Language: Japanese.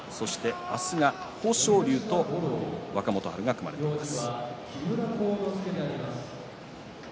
明日が豊昇龍と若元春が組まれています。